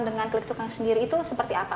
dengan klik tukang sendiri itu seperti apa